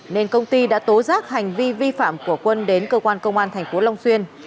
nên công ty đã tố giác hành vi vi phạm của quân đến cơ quan công an thành phố long xuyên